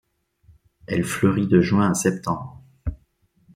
Elle fleurit de juin à septembre.